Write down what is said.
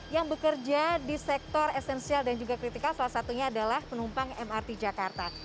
yang bekerja di sektor esensial dan juga kritikal salah satunya adalah penumpang mrt jakarta